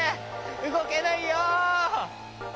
うごけないよ！